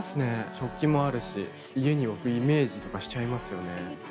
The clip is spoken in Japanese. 食器もあるし家に置くイメージとかしちゃいますよね。